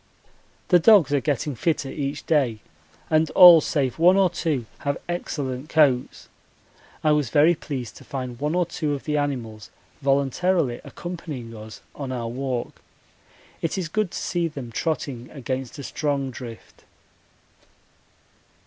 The dogs are getting fitter each day, and all save one or two have excellent coats. I was very pleased to find one or two of the animals voluntarily accompanying us on our walk. It is good to see them trotting against a strong drift.